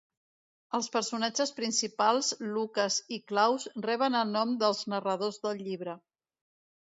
Els personatges principals, Lucas i Claus, reben el nom dels narradors del llibre.